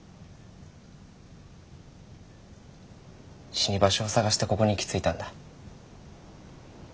死に場所を探してここに行き着いたんだ。